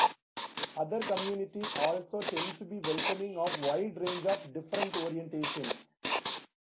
Other communities also tend to be welcoming of wide range of different orientations.